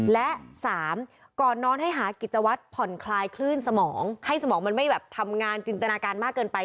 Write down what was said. และ๓ก่อนนอนให้หากิจวัตรผ่อนคลายคลื่นสมองให้สมองมันไม่แบบทำงานจินตนาการมากเกินไป